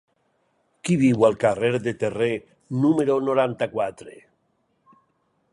Qui viu al carrer de Terré número noranta-quatre?